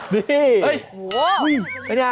เมื่อไหร่จะมีแฟนใหม่